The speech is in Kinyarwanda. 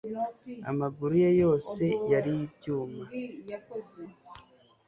Amaguru ye yose yari ibyuma